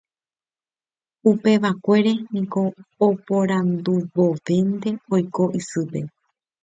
Upevakuére niko oporandúvonte oiko isýpe.